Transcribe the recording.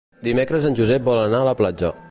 Dimecres en Josep vol anar a la platja.